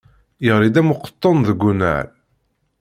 Yeɣli-d am uqettun deg unnar.